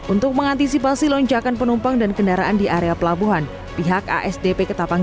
untuk mengantisipasi lonjakan penumpang dan kendaraan di area pelabuhan pihak asdp ketapang